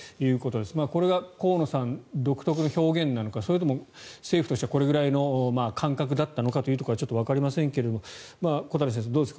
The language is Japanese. これが河野さん独特の表現なのかそれとも政府としてこれぐらいの感覚だったのかはちょっとわかりませんが小谷先生、どうですか？